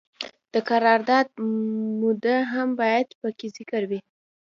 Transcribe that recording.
د قرارداد موده هم باید پکې ذکر وي.